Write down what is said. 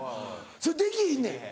それできひんねん。